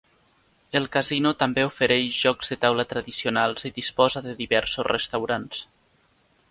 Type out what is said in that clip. El casino també ofereix jocs de taula tradicionals i disposa de diversos restaurants.